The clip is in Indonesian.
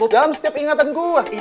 dalam setiap ingatan gua